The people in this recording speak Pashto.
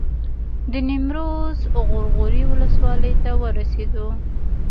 د نیمروز غور غوري ولسوالۍ ته ورسېدو.